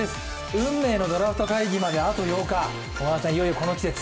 運命のドラフト会議まであと８日、小川さん、この季節。